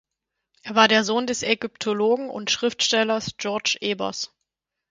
Er war der Sohn des Ägyptologen und Schriftstellers Georg Ebers.